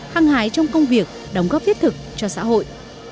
hăng hái trong công việc đóng góp thiết thực cho xã hội